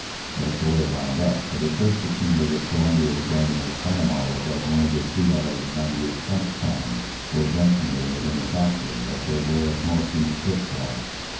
"That's the way it wound up; but at first it seemed as if Colombia was going to make Panama look like one of the $3.98 kind, with dents made in it in the factory, like they wear at North Beach fish fries.